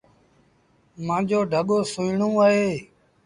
مآݩجو ڍڳو سُهيٚڻون اهي۔